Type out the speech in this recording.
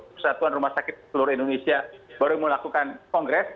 persatuan rumah sakit seluruh indonesia baru melakukan kongres